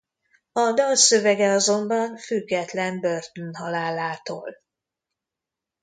A dal szövege azonban független Burton halálától.